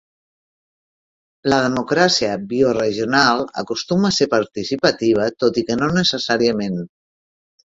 La democràcia bio-regional acostuma a ser participativa tot i que no necessàriament.